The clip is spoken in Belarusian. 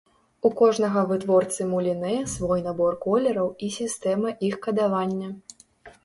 У кожнага вытворцы мулінэ свой набор колераў і сістэма іх кадавання.